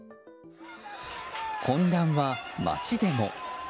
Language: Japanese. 混乱は、街でも。